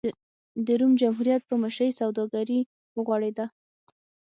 د روم جمهوریت په مشرۍ سوداګري وغوړېده.